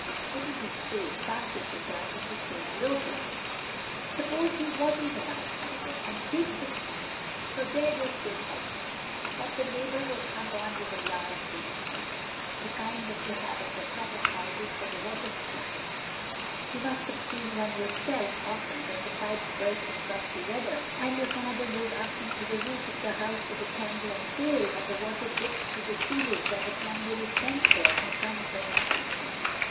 "Wouldn't be safe," Francis returned in the same low tones. "Suppose he wasn't an outsider, and did notice." So there they stood helpless. What the label was hung on was a large zinc tank—the kind that they have at the tops of houses for the water supply—you must have seen one yourself often when the pipes burst in frosty weather, and your father goes up into the roof of the house with a candle and pail, and the water drips through the ceilings and the plumber is sent for, and comes when it suits him.